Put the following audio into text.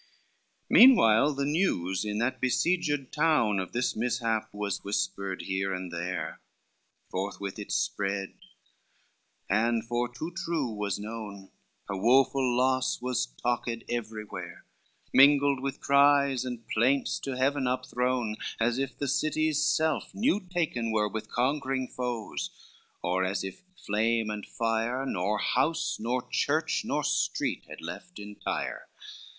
C Meanwhile the news in that besieged town Of this mishap was whispered here and there, Forthwith it spread, and for too true was known, Her woful loss was talked everywhere, Mingled with cries and plaints to heaven upthrown, As if the city's self new taken were With conquering foes, or as if flame and fire, Nor house, nor church, nor street had left entire.